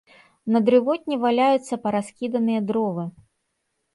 На дрывотні валяюцца параскіданыя дровы.